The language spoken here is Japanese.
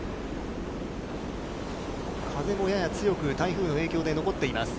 風もやや強く台風の影響で残っています。